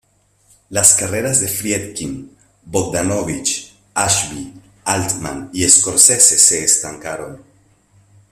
Las carreras de Friedkin, Bogdanovich, Ashby, Altman y Scorsese se estancaron.